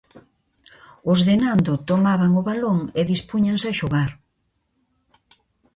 Os de Nando tomaban o balón e dispúñanse a xogar.